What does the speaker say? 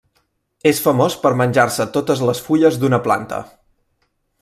És famós per menjar-se totes les fulles d'una planta.